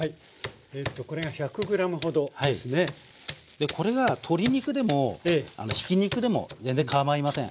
でこれが鶏肉でもひき肉でも全然かまいません。